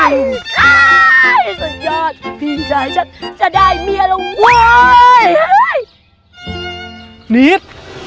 นิสนี่ครับ